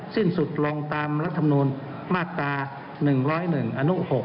สิ้นสุดลงตามรัฐมนูลมาตรา๑๐๑อนุ๖